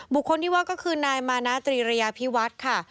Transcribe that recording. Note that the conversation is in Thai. บุคคลที่ว่าก็คือนายมานาตรีระยาพิวัฒน์ค่ะ